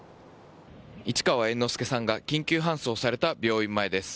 市川猿之助さんが緊急搬送された病院前です。